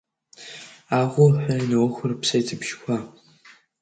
Аӷуҳәа иналықәрыԥсеит абжьқәа.